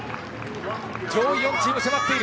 上位４チームそろっている。